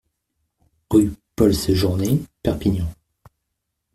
Rue Paul Sejourné, Perpignan